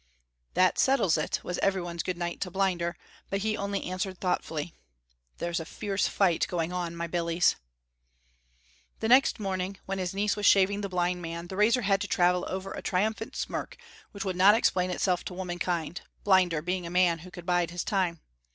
"That settles it," was everyone's good night to Blinder, but he only answered thoughtfully, "There's a fierce fight going on, my billies." Next morning when his niece was shaving the blind man, the razor had to travel over a triumphant smirk which would not explain itself to womankind, Blinder being a man who could bide his time.